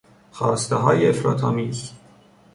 خواستههای افراط آمیز